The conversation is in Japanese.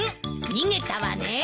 逃げたわね！